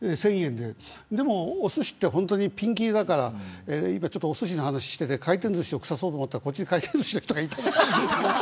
でも、おすしってピンキリだから今、おすしの話をしてて回転ずしをくさそうと思ったけどこっちに回転ずしの人がいたから。